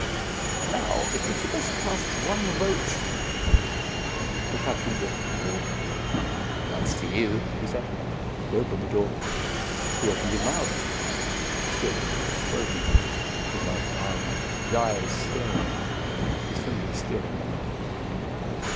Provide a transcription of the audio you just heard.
Now, if each of us casts one vote " The Captain walked to the door. "Nuts to you," he said. He opened the door. He opened his mouth. He stood frozen, his mouth wide, his eyes staring, his fingers still on the knob.